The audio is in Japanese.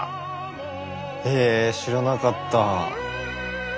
え知らなかった。